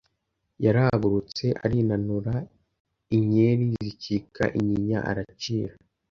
Yarahagurutse arinanura Inyeri zicika inyinya aracira